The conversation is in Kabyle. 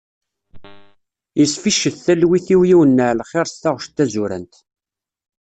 Yesficcet talwit-iw yiwen n ɛelxir s taɣec d tazurant.